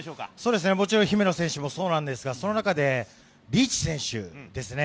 もちろん、姫野選手もそうなんですが、その中でリーチ選手ですね。